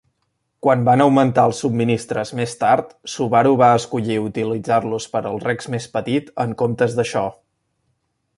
Quan van augmentar els subministres més tard, Subaru va escollir utilitzar-los per al Rex més petit, en comptes d'això.